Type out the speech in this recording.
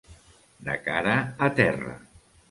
De cara a terra.